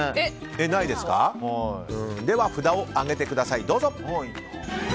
では札を上げてください。